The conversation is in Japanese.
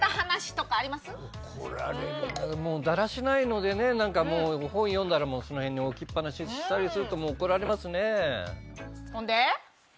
もうだらしないのでねなんかもう本読んだらその辺に置きっぱなしにしたりするともう怒られますね。